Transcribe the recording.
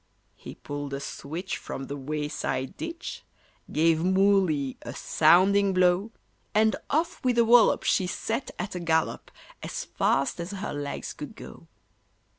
He pulled a switch from the wayside ditch, Gave Moolly a sounding blow, And off with a wallop she set at a gallop, As fast as her legs could go.